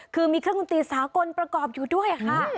คือมีเครื่องดนตรีสากลประกอบอยู่ด้วยค่ะ